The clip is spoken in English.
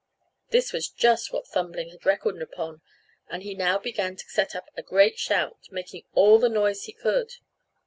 This was just what Thumbling had reckoned upon; and he now began to set up a great shout, making all the noise he could.